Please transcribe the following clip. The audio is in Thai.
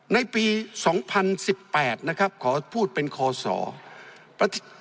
ในปี๒๐๑๘นะครับขอพูดเป็นคศ